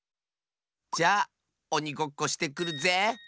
じゃおにごっこしてくるぜ！